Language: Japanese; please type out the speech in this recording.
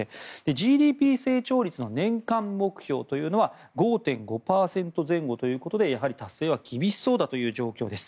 ＧＤＰ成長率の年間目標というのは５．５％前後ということでやはり達成は厳しそうだという状況です。